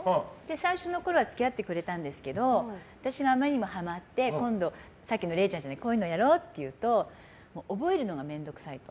最初のころは付き合ってくれたんですけど私があまりにもハマって今度こういうのやろうって言うと覚えるのが面倒くさいと。